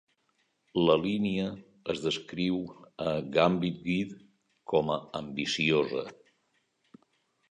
La línia es descriu a "Gambit Guide" com a "ambiciosa".